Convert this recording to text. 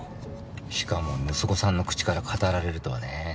しかも息子さんの口から語られるとはね。